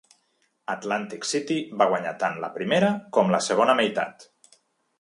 Atlantic City va guanyar tant la primera com la segona meitat.